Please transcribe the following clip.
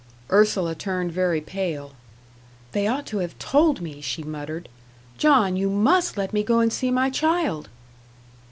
Ursula turned very pale. "They ought to have told me," she muttered; "John, YOU MUST let me go and see my child."